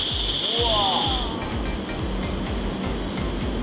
うわ！